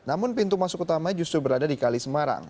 namun pintu masuk utama justru berada di kali semarang